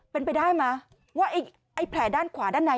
เป็นเป็นไปได้มั้ย